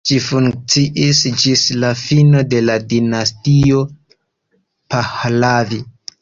Ĝi funkciis ĝis la fino de la dinastio Pahlavi.